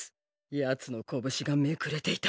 ヤツの拳がめくれていた。